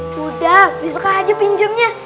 sudah besok aja pinjamnya